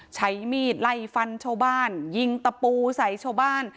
ใช้มีดไล่ฟันชาวบ้านยิงตะปูใส่ชาวบ้าน